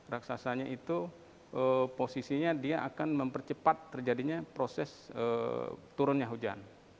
raksasanya itu posisinya dia akan mempercepat terjadinya proses turunnya hujan